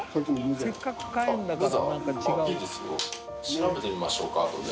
調べてみましょうかあとで。